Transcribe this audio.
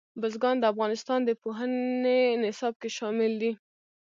بزګان د افغانستان د پوهنې نصاب کې شامل دي.